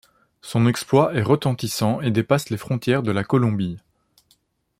Son exploit est retentissant et dépasse les frontières de la Colombie.